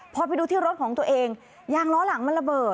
พอไปดูที่รถของตัวเองยางล้อหลังมันระเบิด